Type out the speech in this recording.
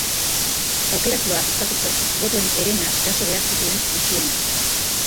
Aukeratua izateko, botoen herena jaso behar zituen gutxienez.